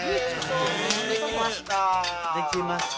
できました！